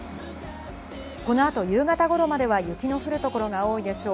この後、夕方頃までは雪の降る所が多いでしょう。